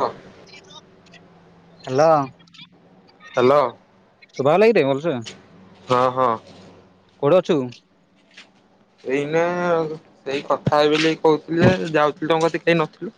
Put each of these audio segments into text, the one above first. ହଁ। Hello. Hello ହଁ ହଁ। କୋଉଠି ଅଛୁ? ଏଇନା ଆ ଦେଇ କଥା ହେଲି ବୋଲି କହୁଥିଲେ ଯାଉଥିଲି ତମ କତି କେହି ନଥିଲୁ?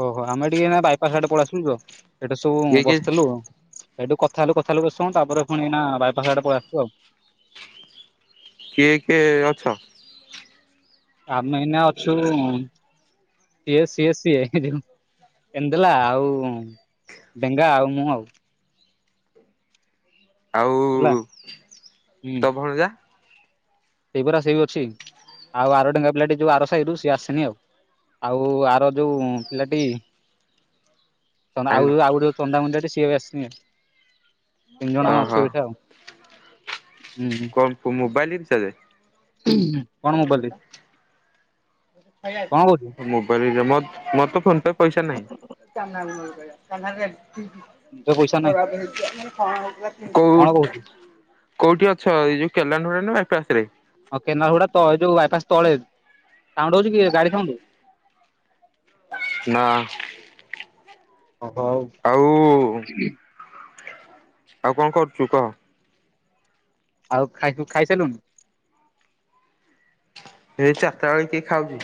ଓହୋ ଆମେ ଟିକେ ନା ବାଇପାସ ଆଡେ ପଲିଆସିଲୁ ତ ଏଠେ ସବୁ ଉଁ କିଏ କିଏ ବସିଥିଲୁ ଆଉ ହେଇଟୁ କଥାହେଲୁ କଥାହେଲୁ କେତେ ସମୟ ତାପରେ ଫୁଣି ନାଁ ଆ ବାଇପାସ ଆଡେ ପଳେଆସିଲୁ ଆଉ କିଏ କିଏ ଅଛ? ଆମେ ଏଇନା ଅଛୁ ଇଏ ସିଏ ସିଏ ଏମତି ହେଲା ଆଉ ପେଙ୍ଗା ଆଉ ମୁଁ ଆଉ ହେଲା ଆଉ ହୁଁ ତ ଭଣଜା? ସେଇ ପରା ସେଇ ଅଛି ଆଉ ଆର ଡେଙ୍ଗା ପିଲାଟି ଯୋଉ ଆର ସଇଡୁ ସିଏ ଆସିନି ଆଉ ଆଉ ଆର ଯୋଉଁ ପିଲାଟି ଚନ୍ଦା ଆଇଲ ଆଉ ଯୋଉ ଆଉ ଗୋଟେ ଚନ୍ଦାମୁଣ୍ଡିଆଟେ ସିଏ ବି ଆସିନି। ତିନି ଜଣଙ୍କ ଓହୋ ଅଛୁ ଏଇଠେ ଆଉ ହୁଁ କଣ ପୋ ମୋବାଇଲ ଇଥେରେ? କଣ ମୋବାଇଲ? କହୁଛୁ ମୋବାଇଲ ଯେ ମୋତ୍ ମୋର ତ ଫୋନ ପେ ପଇସା ନାହିଁ। ତୋ ପଇସା ନାହିଁ କଣ କୋଉଠ୍ କହୁଛୁ? କୋଉଠି ଅଛ ଏଇ ଯୋଉ କେଲାଣ୍ଡଡାରେ ବାଇପାସ ରେ? ଓ କେନାଲହୁଡା ତ ଏଇ ଯୋଉ ବାଇପାସ ତଳେ ସାଉଣ୍ଡ ହଉଛି କି ଏ ଗାଡି ସାଉଣ୍ଡ? ନାଁ। ହ ହଉ। ଆଉ ଆଉ କଣ କରୁଛୁ କହ? ଆଉ ଆଉ ତୁ ଖାଇସାଇଲୁଣି? ଏଇ ଚାରଟା ବେଳେ କିଏ ଖାଉଛି?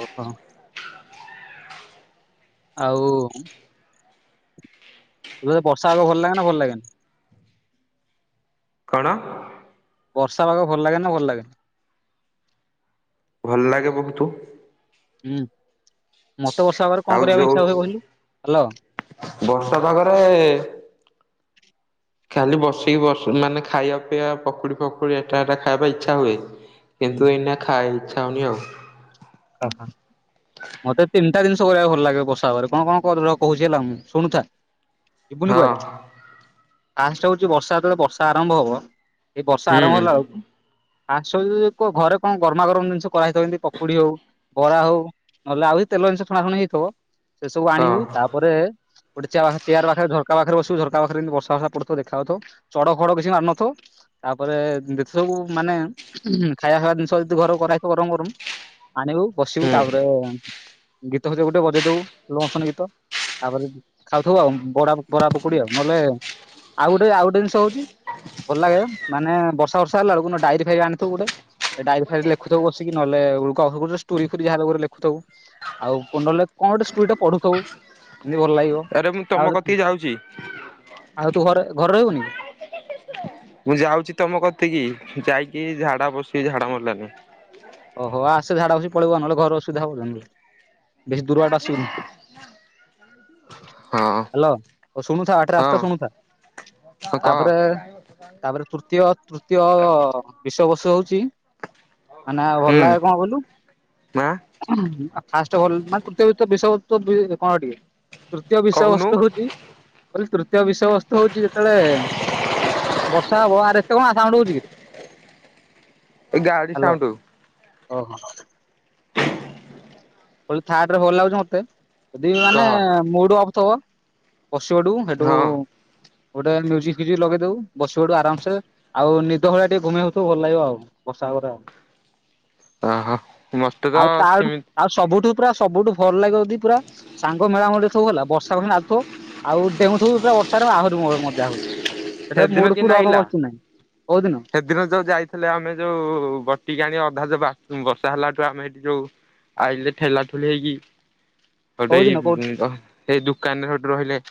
ଓହୋ। ଆଉ ତେ ବର୍ଷା ଆ ଭଲ ଲାଗେ ନା ଭଲ ଲାଗେନା? କଣ? ବର୍ଷା ପାଗ ଭଲ ଲାଗେ ନା ଭଲ ଲାଗେନା? ଭଲ ଲାଗେ ବହୁତୁ। ହୁଁ ମତେ ବର୍ଷା ହୋବରେ ଆଉ କଣ କରିବା ପାଇଁ ଇଚ୍ଛା ଯୋଉ ହୁଏ କହିଲୁ। ହାଲୋ। ବର୍ଷା ପାଗରେ ଖାଲି ବସିକି ବ ମାନେ ଖାଇବା ପିଇବା ପକୁଡି ଫକୁଡି ଏଟା ଏଟା ଖାଇବା ଇଚ୍ଛା ହୁଏ। କିନ୍ତୁ ଏଇନା ଖାଏ ଇଚ୍ଛା ହଉନି ଆଉ ଓହ ମତେ ତିନି କେଟା ଜିନିଷ କରିବାକୁ ଭଲ ଲାଗେ ବର୍ଷା ପାଗରେ କଣ କଣ ରହ କହୁଛି ହେଲା ମୁଁ ଶୁଣୁଥା। ଯିବୁନି ହଁ କୁଆଡେ ଫାଷ୍ଟ ହୋଉଚି ବର୍ଷା ଯେତେବେଳେ ବର୍ଷା ଆରମ୍ଭ ହବ ଏଇ ବର୍ଷା ଆରମ୍ଭ ହୁଁ ହେଲା ଆଉ ଆସିବୁ ଯ ପ ଘରେ କଣ ଗରମା ଗରମ ଜିନିଷ କରାହେଇଥିବ ଯେମତି ପକୁଡି ହଉ ବରା ହଉ ନହେଲେ ଆଉ ଏଇ ତେଲ ଜିନିଷ ଛଣାଶୁଣି ହେଇଥିବ ସେ ସବୁ ହଁ ଆଣିବୁ ତାପ ପରେ ଗୋଟେ ଚେୟା ପାଖ ଚେୟାର ପାଖରେ ଝରକା ପାଖରେ ବସିବୁ ଝରକା ପାଖରେ ଯେମତି ବର୍ଷା ବର୍ଷା ପଡୁଥିବ ଦେଖାଯାଉଥିବ ଚଡ ଖଡ କିଛି ମାରୁନଥବ ତାପରେ ଯେତ ସବୁ ମାନେ ଉଁହୁଁ ଖାଇବା ଫାଇବା ଜିନିଷ ଯଦି ଘରୁ କରାହେଇଥିବ ଗରମ ଗରମ ଆଣିବୁ ବସିବୁ ହୁଁ ତାପରେ ଗୀତ ଫିତ ଗୋଟେ ବଜେଇ ଦବୁ ସ୍ଲୋ ମୋସନ ଗୀତ ତାପରେ ଖାଉଥିବୁ ଆଉ ବଡା ପ ବରା ପକୁଡି ଆଉ ନହେଲେ ଆଉ ଗୋଟେ ଆଉ ଗୋଟେ ଜିନିଷ ହଉଚି ଭଲ ଲାଗେ ମାନେ ବର୍ଷା ବର୍ଷା ହେଲା ବେକୁକୁ ନହେଲେ ଡାଇରି ଫାଇରି ଆଣିଥିବୁ ଗୋଟେ ଏ ଡାଇରି ଫାଇରିରେ ଲେଖୁଥିବୁ ବସିକି ନହେଲେ ଉ କହୁ ଗୋଟେ ଷ୍ଟୋରି ଫୋରି ଯାହାଲେ ଗୋଟେ ଲେଖୁଥବୁ ଆଉ ପୁଣି ନହେଲେ କଣ ଗୋଟେ ଷ୍ଟୋରିଟା ପଢୁଥବୁ। ଏମତି ଭଲ ଲାଗିବ ଆରେ ମୁଁ ତମ ଆଉ କତିକି ଯାଉଛି ଆଉ ତୁ ଘରେ ଘରେ ରହିବୁନି। ମୁଁ ଯାଉଚି ତମ କତିକି ଯାଇକି ଝାଡା ବସିବି ଝାଡା ମଡିଲାନି। ଓହୋ ଆସେ ଝାଡ଼ା ବସିକି ପଳେଇବୁ ଆ ନହେଲେ ଘର ଅସୁବିଧା ହବ [inaudible] ବେଶୀ ଦୂର ବାଟ ଆସିବୁନି। ହଁ। ହଲୋ ଅ ଶୁଣୁଥା ବାଟରେ ହଁ ଆସୁତା ଶୁଣୁଥା ହଁ କହ ତାପରେ ତାପରେ ତୃତୀୟ ତୃତୀୟ ବିଷୟବସୁ ହଉଚି ମାନେ ଆଉ ଭଲ ହୁଁ ଲାଗେ କଣ କଇଲୁ ମା [unintelligible] ତୃତୀୟ ବିଷୟବସ୍ତୁ ହଉଚି [inaudible] ତୃତୀୟ କହୁନୁ ବିଷୟ ବସ୍ତୁ ହଉଚି ଯେତେବେଳେ ବର୍ଷା ହବ ଆରେ ଏତେ କଣ ଆ ସାଉଣ୍ଡ ହଉଚି କି? ଏଇ ଗାଡି ସାଉଣ୍ଡୁ ଓହୋ। ଥାର୍ରେ ଭଲଲାଗୁଚି ମତେ ଯଦି ମାନେ କହ ମୁଡ ଅଫ୍ ଥିବ। ବସିଅଡିବୁ ସେଠୁ ହଁ ଗୋଟେ ମ୍ୟୁଜିକ ଫ୍ୟୁଜିକ୍ ଲଗେଇ ଦଉ ବସିପଡିବୁ ଆରାମସେ ଆଉ ନିଦ ଭଳିଆ ଟିକେ ଘୁମେଇ ହଉଥିବୁ ଭଲ ଲାଗିବ ଆଉ ବର୍ଷା ହବରେ ଓହୋ ମତେ ତ ଆଉ ତାଠୁ ସେମିତି ଆଉ ସବୁଠୁ ପୁରା ସବୁଠୁ ଭଲ ଲାଗିବ ଯଦି ପୁରା ସାଙ୍ଗ ମେଳାମୁଳି ସବୁ ହେଲା ବର୍ଷା କଷିକି ନାଧୁଥିବ ଆଉ ଡେଁଉଥିବୁ ପୁରା ବର୍ଷାରେ ଆହୁରି ମ ମଜା ହବ। ସେଟା ସେଦିନ ମୁଡ୍ କିନ୍ତି ଫୁଡ୍ ଅଫ୍ ପ ନାଗିଲା କିଛି ନାହିଁ କୋଉଦିନ। ସେଦିନ ଯୋଉ ଯାଇଥିଲେ ଆମେ ଯୋଉ ବଟିକା ଆଣି ଅଧା ଯୋଉ ବା ବର୍ଷା ହେଲାଠୁ ଆମେ ଏଠି ଯୋଉ ଆଇିଲେ ଠେଲା ଠୁଲି ହେଇକି କୋଉ ଗୋଟେ ଦିନ କୋଉ ଏଇ ଦ ଏଇ ଦୋକାନରେ ଗୋଟେ ରହିଲେ।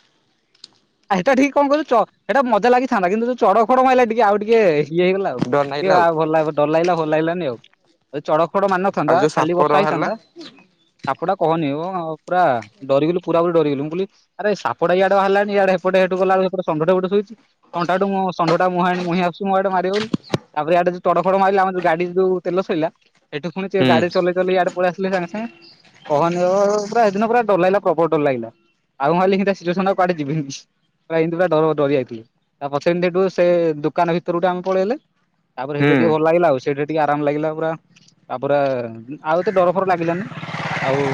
ଆ ହେଟା ଠିକ୍ କଣ କହିଲୁ ଚ ହେଟା ମଜା ଲାଗିଥାନ୍ତା କିନ୍ତୁ ଯୋଉ ଚଡଖ ଫଡକ ମାଇଲା ଟିକେ ଆଉ ଟିକେ ଇଏ ହେଇଗଲା। ଡର ଲାଗିଲା କିଏ ଆଉ ଭଲାଗ ଡର ଲାଗିଲା ଭଲ ଲାଗଲାନି ଆଉ। ଯଦି ଚଡକ ଖଡକ ଆଉ ମାରିନଥାନ୍ତା ଯୋଉ ଖାଲି ସାପର ବର୍ଷା ବାହାରିଲା ହେଇଥାନ୍ତା ସାପ ଟା କହନି ମୁ ପୁରା ଡରିଗଲୁ ମୁଁ ପୁରା ପୁରି ଡରିଗଲି ମୁଁ କହିଲି ଆରେ ସାପ ଟା ଇଆଡେ ବାହାରିଲାଣି ଇଆଡେ ସେପଟେ ଏଠୁ ଗଲା ବେଳକୁ ଏପଟେ ଷଣ୍ଢ ଟେ ଗୋଟେ ସୋଇଛି ଷଣ୍ଢ ଟେ ମୁଁ ଷଣ୍ଢ ଟା ମୁହା ମୁହିଁ ଆସୁଛି ମୋ ଆଡେ ମାରିବ ବୋଲି। ତାପରେ ଇଆଡେ ଯଉ ଚଡ଼କ ଫଡ଼କ ମାଇଲା ଆମ ଗାଡ଼ି ଯଉ ତେଲ ସଇଲା ସେଠୁ ପୁଣି ସିଏ ହୁଁ ଗାଡି ଚଲେଇ ଚଳେଇ ଆଡେ ପଳେଇଆସିଲେ ସାଙ୍ଗ ସାଙ୍ଗେ କହନି ଅ ପୁରା ହେଦିନ ପୁରା ଡର ଲାଗିଲା ପ୍ରବଳ ଡର ଲାଗିଲା ଆଉ ମୁଁ ଭାବିଲି କି ଏମିତୀ ଆ ସିଚୁଏସନ କୁଆଡ଼େ ଯିବିନି। ପୁରା ଏମିତି ପୁରା ଡର ଡରି ଯାଇଥିଲ ତାପଛେ ଯେମତି। ହେଠୁ ସେ ଦୋକାନ ଭିତରୁ ଟୁ ଆମେ ପଳେଇଲେ ତାପରେ ହୁଁ ହୋୟିଠେ ଟିକେ ଭଲ ଲାଗିଲା ଆଉ ସେଉଟୁ ଟିକେ ଆରାମ ଲାଗିଲା ପୁରା ତାପରେ ଉ ଆଉ ଏତେ ଡର ଫର ଲାଗିଲାନି ଆଉ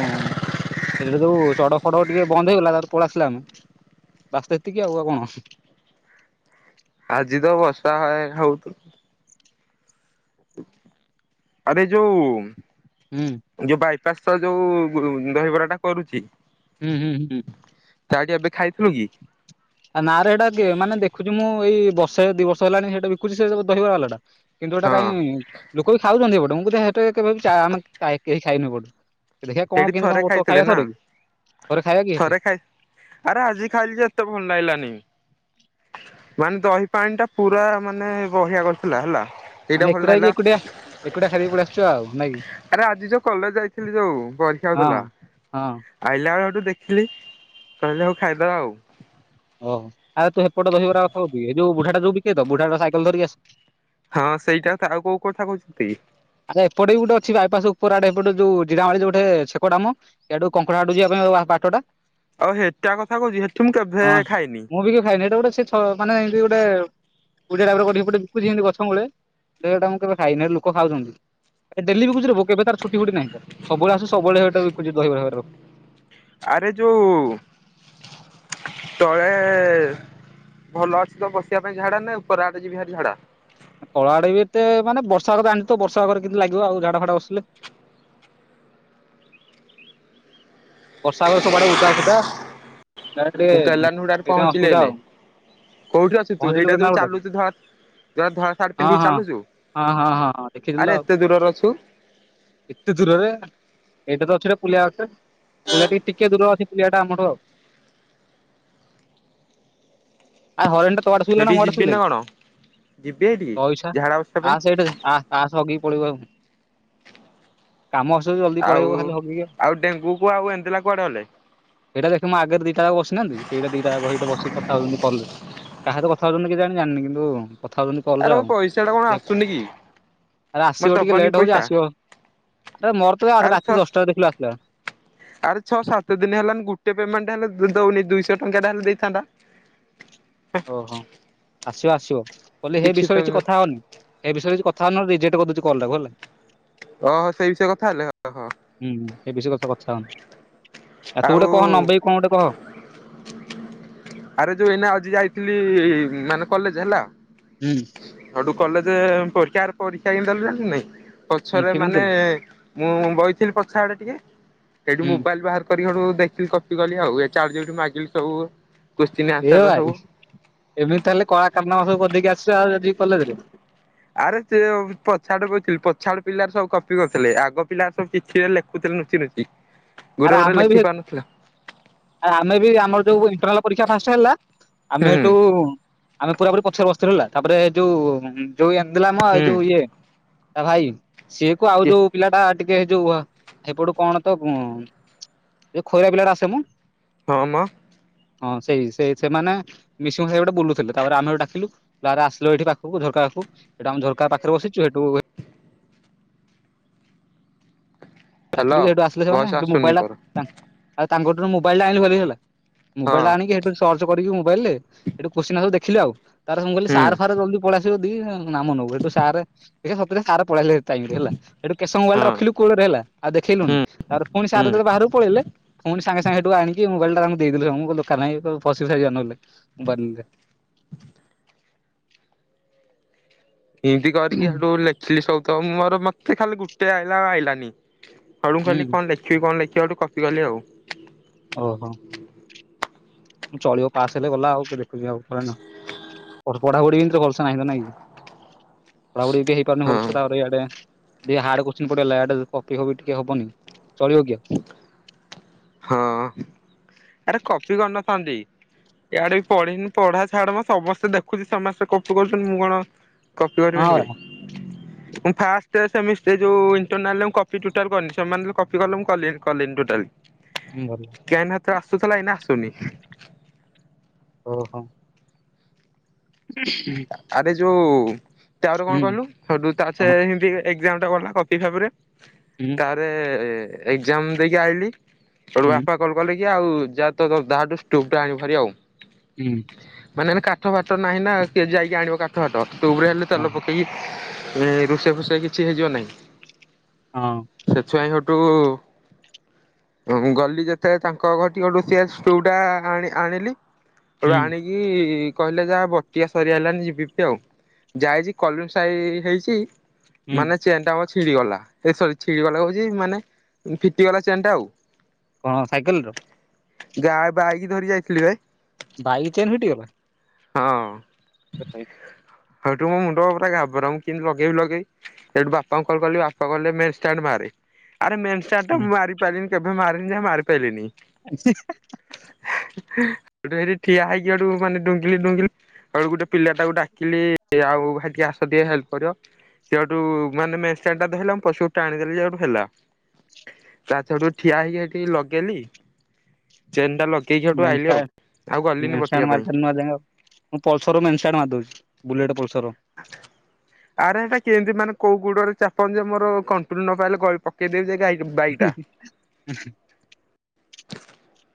ସେଇଟା ଯୋଉ ଚଡକ ଫଡକ ଟିକେ ବନ୍ଦ ହେଇଗଲା ତାପରେ ପଳେଇ ଆସିଲେ ଆମେ ବାସ ତ ଏତିକି ଆଉ ଆଉ କଣ। ଆଜି ତ ବର୍ଷା ହେଲା ଭଳିଆ ହଉଚି ଆରେ ଯୋଉ ହୁଁ। ଯୋଉ ବାଇପାସ ତ ଯୋଉ ଦହିବରା ଟା କରୁଚି ହୁଁ ହୁଁ ହୁଁ। ତାହାରି ପାଖେ ଖାଇଥିଲୁ କି? [inaudible] ଆ ନାଁରେ ସେଇଟା କିଏ ମାନେ ଦେଖୁଛୁ ମୁଁ ଏଇ ବର୍ଷେ ଦିଇ ବର୍ଷ ହେଲାଣି ସେଇଟା ବିକୁଛି ସେ ଦହିବରା ବାଲାଟା। କିନ୍ତୁ ଏଟା ହଁ କାହିଁ ଲୋକ ବି ଖାଉଛନ୍ତି ଏପଟେ ମୁଁ ତ ହେ ତ କେବେ ଚା କେହି ଖାଇନି ଏପଟେ। ଦେଖିବା କଣ ସେଇଠି କେମିତି ଥରେ କଣ କ ଖାଇଥିଲେ ଖାଇବା ନା ଥରେ କି ଥରେ ଖାଇବା କି ସେଠେ? ଛାଡ ଆରେ ଆଜି ଖାଇଲି ଯେ ଏତେ ଭଲ ଲାଗିଲାନି। ମାନେ ଦହି ପାଣିଟା ପୁରା ମାନେ ବହିଆ କରିଥିଲା ହେଲା। ଏଇଟା ମାନେ ଭଲ ଏକୁଟା କି ଲାଗିଲା ଏକୁଟିଆ ଏକୁଟିଆ ଖାଇଦେଇକି ପଳେଇ ଆସିଛୁ ଆଉ ନାଇଁ କି? ଆରେ ଆଜି ଯୋଉ କଲେଜ ଯାଇଥିଲି ଯୋଉ ପରୀକ୍ଷା ହଁ। ହଉଥିଲା। ହଁ ଆଇଲା ବେଳେ ଠୁ ଦେଖିଲି କହିଲେ ହଉ ଖାଇଦେବା ଆଉ ଓହ ଆରେ ତୁ ଏପଟେ ଆଉ ଖାଉ କି ଏ ଯୋଉ ବୁଢାଟା ଯୋଉ ବିକେ ତ ବୁଢାଟା ସାଇକଲ ଧରିକି ଆସେ ହଁ ସେଇଟା ଆଉ କୋଉ କଥା କହୁଛନ୍ତି? ଆ୍ ଏପଟ ବି ଗୋଟେ ଅଛି ବାଇପାସ ଉପର ଆଡେ ଏପଟ ଯୋଉ ଜଡାମାଳି ଯ ଗୋଟେ ଛେକଟା ମ ସିଆଡୁ କଙ୍କଡାହାଟ ଆଡୁ ଯିବା ପାଇଁ ଯୋଉ ବାଟଟା ଆଉ ହେଟା କଥା କହୁଛୁ ସେଠୁ ମୁଁ କେବେ ହଁ। ଖାଇନି? ମୁଁ ବି ଖାଇନି ଏଇଟା ଗୋଟେ ସେ ହଁ ମାନେ ଏନ୍ତି ଗୋଟେ ପୁଡିଆ ଟାଇପର ବିକୁଛି ଗୋଟେ ଗଛ ମୂଳେ ଗଛ ସେଇଟା ମୁଁ କେବେ ଖାଇନି ଲୋକ ଖାଉଛନ୍ତି। ଡେଲି ବିକୁଚିରେ ପୁଅ କେବେ ତାର ଛୁଟି ଫୁଟି ନାହିଁ ସବୁବେଳେ ଆସୁଛି ସବୁବେଳେ ବିକୁଛି ଦହିବରା ଆରେ ଯୋଉ ତଳେ ଭଲ ଅଛି ତ ବସିବା ପାଇଁ ଝାଡା ନା ଉପର ଆଡେ ଯିବିହେରି ଝାଡା। ତଳ ଆଡେ ବି ଏତେ ମାନେ ବର୍ଷାରେ ଜାଣିଥିବୁ ବର୍ଷା ହେବାରେ କେମିତି ଲାଗିବ ଆଉ ଝାଡା ଫାଡା ବସିଲେ? ବର୍ଷାରେ ଉପରେ ସବୁଆଡେ ଉଦା ଫୁଦା ସେଟା ମୁଁ କେଲାନ ହୁଡାରେ ଟିକେ ପହଞ୍ଚିଲି ଅସୁବିଧା ଏଇନେ। ଆଉ କୋଉଠି ଅଛୁ ପହଞ୍ଚିଲୁ ସେଇଟା ଯୋଉ କେନ୍ଦ୍ରାପଡ଼ାରେ ଚାଲୁଛୁ ଧର ଯୋଉ ଧଳା ସାର୍ଟ ହଁ ପିନ୍ଧିକି ହଁ। ଚାଲୁଛୁ ହଁ ହଁ ହଁ ହଁ ଦେଖିଥିଲୁ ଆରେ ଆଉ ଏତେ ଦୂରରେ ଅଛୁ। ଏତେ ଦୂରରେ ଏଇଟା ତ ଅଛିରେ ପୁଲିଆ ଗଛରେ ପିଲା ଟିକେ ଟିକେ ଦୂରରେ ଅଛି। ପୁଲିଆଟା ଆମର ଆଉ ହରେଣ୍ଡ ତୋ ଆଡେ ଶୋଇଲା କି ମୋ ହେଇଠିକି ଆଡେ ଯିବି ନା ଶୋଇଲାକି କଣ ଯିବି ହେଇଠିକି ତୋ ଇଚ୍ଛା ଝାଡା ବସିବା ପାଇଁ ଆସେ ଏଠେ ଆ ପାସ ହଗିକି ପଳେଇବୁ ଆଉ କାମ ଅଛି ତ ଜଲଦି ଆଉ ପଳେଇବୁ ଖାଲି ହଗିକି ଆଉ ଆଉ ଡେଙ୍ଗୁ କୁଆକୁୁ ଏନ୍ଦାଲା କୁଆଡ଼େ ଗଲେ? ସେଇଟା ଦେଖେ ଆଗରେ ଦିଟା ଯାକ ବସିନାହାନ୍ତି ସେଇଟା ଦିଟା ଯାକ ବସିକି କଥା ହଉଛନ୍ତି କଲରେ। କାହା ସହିତ କଥା ହଉଛନ୍ତି କେଜାଣି ଜାଣିନି କିନ୍ତୁ କଥା ହଉଛନ୍ତି କଲ୍ ରେ ଆରେ ମୋ ଆଉ ପଇସା ଟା କଣ ଆସୁନି କି? ଆରେ ମତେ ଆସିବ ଟିକେ ଦବନି ଲେଟ୍ ହେଉଛି ପଇସା ଆସିବ। ଆରେ ମୋର ତ ଆରେ ଛଅ ରାତି ଦଶଟାରେ ଦେଖିଲୁ ଆସିଲା। ଆରେ ଛଅ ସାତ ଦିନ ହେଲାଣି ଗୋଟେ ପେମେଣ୍ଟ ହେଲେ ଦଉନି ଦୁଇଶହ ଟଙ୍କାଟା ହେଲେ ଦେଇଥାନ୍ତା। ଓହୋ ଆସିବ ଆସିବ କହିଲେ ସେଇ ବିଷୟରେ କିଛି କଥା ହଅନି। ଏ ବିଷୟରେ କିଛି କଥା ହନି ନହେଲେ ରେଜେକ୍ଟ କରିଦଉଛି କଲଟାକୁ ହେଲା। ଓହୋ ସେଇ ବିଷୟରେ କଥା ହେଲେ ହହଁ। ହୁଁ ଏବେ ସେ ବିଷୟରେ କଥା ହନି। ଆଉ କହ ଆରେ ଯୋଉ ଏଇନା ଆଜି ଯାଇଥିଲି ମାନେ କଲେଜ ହେଲା। ହୁଁ। ସେଠୁ କଲେଜ ପରୀକ୍ଷା ପରୀକ୍ଷା ଦେଲୁ ଜାଣି ନାଇଁ ହୁଁ ପଛରେ କେମିତି ମାନେ ଦେଲୁ ମୁଁ ବଇଥିଲି ପଛ ଆଡେ ଟିକେ ସେଇଠି ହୁଁ ମୋବାଇଲ ବାହାର ସଠୁ ଦେଖିଲି କପି କଲି ଆଉ ଏ ଚାଟ୍ ଜିପିଟି ମାଗିଲି ସବୁ କୋଶ୍ଚିନ୍ ଏ ଆନ୍ସର ଭାଇ। ସବୁ ଏବେତାହେଲେ କଳାକାରାରନାମା ସବୁ କରିଦେଇକି ଆସିଛୁ ଆଉ ଯଦି କଲେଜରେ। ଆରେ ସେ ପଛାଡ କହୁଥିଲି ପଛାଡ ପିଲାର ସବୁ କପି କରିୁଥିଲେ ଆଗ ପିଲା ସବୁ ପିଠିରେ ଲେଖୁଥିଲେ ଲୁଚି ନୁଚି। ଗୋରେ ଗୋରେ ଆମେ ବି ଲେଖି ପାରୁନଥିଲା। ଆରେ ଆମେ ବି ଆମର ଯୋଉ ଇଣ୍ଟରନାଲ ପରୀକ୍ଷା ଫାଷ୍ଟ ହେଲା ଆମେ ହୁଁ ଏଠୁ, ଆମେ ପୁରା ପୁରି ପଛରେ ବସିଥିଲୁ ହେଲା। ତାପରେ ଯୋଉ ଯୋଉ ଏଥିଲା ଆମ ଏ ହୁଁ ଯୋଉ ଇଏ ତା ଭାଇ ସିଏ କୁ ଆଉ କିଏ ଯୋଉ ପିଲାଟା ଟିକେ ଯୋଉ ଏପଟୁ କଣ ତ କ, ଯୋଉ ଖଇରା ପିଲାଟ ଆସେ ମ, ହଁ ମ। ହଁ ସେଇ ସେଇ ସେମାନେ। ମିଶିକି ସେଇ ପେଟ ବୁଲୁଥିଲେ ତାପରେ ଆମେ ହେଇଠୁ ଡାକିଲୁ ଆରେ ଆସିଲ ଏଇଠି ପାଖକୁ ଝରକା ପାଖକୁ। ହେଇଟୁ ଆମେ ଝରକା ପାଖରେ ବସିଛୁ ସେଠୁ, ଡାକିଲୁ ହ୍ୟାଲୋ ସେଇଠୁ ଆସିଲେ ସେମାନେ ଭଏସ ସେଇ ଆସୁନି ମୋବାଇଲ ତୋର ଟା ଆଉ ତାଙ୍କଠୁ ମୋବାଇଲ ଆଣିଲୁ ଭାରି ହେଲା ହଁ ମୋବାଇଲଟା ଆଣିକି ସେଠୁ ସର୍ଚ କରିକ ମୋବାଇଲରେ ସେଇଠୁ କ୍ୱେଶ୍ଚିନ ଆଁସର୍ ଦେଖିଲି ଆଉ ତା ପରେ ମୁଁ କହିଲି ହୁଁ ସାର୍ ଫାର୍ ଜଲ୍ଦି ପଳେଇ ଆସିବେ ଯଦି ଆସିବେ ନାମ ନବୁ ସେଇଠୁ ସାରେ ସତରେ ସାର ପଳେଇଆଇଲେ ହେ ଟାଇମରେ ହେଲା ହେଇଥୁ କେତେ ସମୟ ମୋବାଇଲ ହଁ ରଖିଲୁ କୋଳରେ ହେଲା। ଆଉ ହୁଁ ଦେଖେଇଲୁଣିି। ତାପରେ ପୁଣି ସାର ହୁଁ। ଯେତେବେଳେ ବାହାରକୁ ପଳେଇଲେ ପୁଣି ସାଙ୍ଗେ ସାଙ୍ଗେଠୁ ଆଣିକି ମୋବାଇଲଟେ ତାଙ୍କୁ ଦେଇଥିଲୁୁ ଦୋକାନାଇଁ ପଶି ସାରି ଜେଇଲେ ମୋବାଇଲରେ ଏମତି କରିକି ସେଠୁ ଲେଖିଲି ସବୁ ତ ମୋର ମତେ ଖାଲି ଗୋଟେ ଆଇଲା ଆଉ ଆଇଲାନି ହେଠୁ ହୁଁ କହିଲି କଣ ଲେଖିବି ଲେଖିବି ସେଠୁ କଫି କଲି ଆଉ ଓହୋ। ଚଳିବ ପାସ୍ ହେଲେ ଗଲା ଆଉ କି ଦେଖୁଛିି ଆଉ କଣ ନା ପଢାପଢି ହିନ୍ତି ଭଲସା ନାହିଁ ତ ନାଇଁ କି ପଢାପଢି ହେଇପାରୁନି ହଁ ଭଲସେଆଡେ। ସେ ହାର୍ଡ କୋଶ୍ଚିନ୍ ପଡିଗଲା ଏଇଟା କପି ଫପି ଟିକେ ହବନି ଚଳିବ କି ଆଉ ହଁ ଆରେ କପି କରିନଥାନ୍ତି ଇଆଡେ ବି ପଢିନି ପଢା ଛାଡ ମ ସମସ୍ତେ ଦେଖୁଛି ସମସ୍ତେ କପି କରୁଛନ୍ତି। ମୁଁ କଣ? କପି ଆଉ ହଁ ବା କରିପାରିବିନି। ମୁଁ ଫାର୍ଷ୍ଟ ସେମି ଏ ଯୋଉ ଇଣ୍ଟରନାଲରେ କପି ଟୋଟାଲ କରିନି ସେମାନେ ଯୋଉ କପି କଲେ ମୁଁ କଲିନି କଲିନି ଟୋଟାଲ। ହୁଁ ଭଲ। କେନ୍ ହାତରେ ଆସୁଥିଲା ଏଇନା ଆସୁନି। ଓହୋ। ହୁଁ। ଆରେ ଯୋଉ ତା ଆର କଣ କହିଲୁୁ ତାର ସେ କଣ ହିନ୍ଦୀ ଏକ୍ସାମଟା ଗଲ କପି ଭାବରେ ହୁଁ। ଆରେ ଏକ୍ସାମ ଦେଇକି ଆଇଲି ସେଇଠୁ ହୁଁ ବାପା କଲ କଲେ କି ଆଉ ଯାହା ତାହା ଠୁ ଷ୍ଟୋଭଟା ଆଣାରି ଆଉ ହୁଁ। ମାନେ କାଠ ଫାଟ ନାହିଁ ନା ଯାଇକି ଆଣିବ କାଠ ଫାଟ ଟ୍ୟୁବରେ ହେଲେ ତେଲ ହଁ ପକେଇକି ଏ ରୋଷେଇ ଫୋଷେଈ କିଛି ହେଇଯିବ ନାହିଁ। ହଁ। ସେଥିପାଇଁ ସେଠୁ ହଁ ମୁଁ ଗଲି ଯେତେବେଳେ ତାଙ୍କ ଘରଠିକି ଷ୍ଟୋଭଟା ଆଣ ଆଣିଲି। ହୁଁ ଆଣିକି କହିଲେ ଯାହା ବ ଟିଆ ସରିଆଲାଣିି ଯିବି ଆଉ ଯାଇଛି କଲମସାଇ ହେଇଛି ହୁଁ ମାନେ ଚେନ୍ ଟା ଆମର ଛିଡି ଗଲା ଏ ସରି ଛିଡି ଗଲା କହୁଛି ମାନେ ଫିଟିଗଲା ଚେନ୍ ଟା ଆଉ କଣ ସାଇକେଲର? ଗାଁ ବାଇକି ଧରି ଯାଇଥିଲି ବେ ବାଇକ ଚେନ୍ ଫିଟିଗଲା? ହଁ। [inaudible] ହତୁ ମୋ ମୁଣ୍ଡରା ଗା ଭରା ମୁଁ କିୁ ଲଗେଇ ଲଗେଇ ସେଠୁ ବାପାଙ୍କୁ କଲ କଲି ବାପା କଲେେ ମେନ୍ଷ୍ଟାଣ୍ଡ ବାହାରେ ଆ ଚାଟା ମାରି ପଲି କବେ ମାରି ଯା ମାରିିଲଲିଣିି। [inaudible] ଗୁ ହେଠି ଠିଆ ହେଇକି ଆଠୁ ମାନେ ଡୁଙ୍ଗିଲି ଡୁଙ୍ଗିଲି ଆଉ ଗୋଟେ ପିଲାଟାକୁ ଡାକିଲି ଆଉ ଭାିକି ଆସ ଦିଅ ହେଲ୍ପ କର। ସେଇଠୁ ମୋ ଧ ପଶୁା ଆଣିଦେଲି ସେଠୁ ହେଲା। ତା ଛଡୁ ଠିଆ ହେଇକି ସେଠିକି ଲଗେଇଲି। ଚେନ୍ ଟା ଲଗେଇକିଠୁ ଆଇଲି ଆଉ ଆଉ ଗଲିନି ପଟିବା ପାଇ। ଆାଏ। ମୁଁ ପଲସର ମେନ୍ ସାଇଟ୍ ମିଦଉଛି ବୁଲେଟ୍ ପଲସର ଆରେ ଏଟା କେମିତି ମାନେ କୋଉ ଗୋଡରେ ଚାପନ ଯେ ମୋର କଣ୍ଟ୍ରୁଲ ନ ପାଇଲେ ଗଳି ପକ କେ ଦେବା ବାଇ ଟା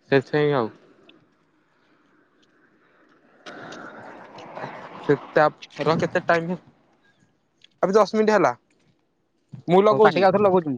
ସେଥିପାଇଁ ଆଉ ସେତ ଆ ର କେତେ ଟାଇମ ଆବେ ଦଶ ମିନିଟ୍ ହେଲା। ମୁଁ ହଉ କାିକ ଲଗଉଚି। ଆଉଥ ଲଗଉଛୁ।